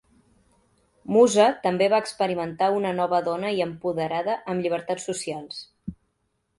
Musa també va experimentar una nova dona i empoderada amb llibertats socials.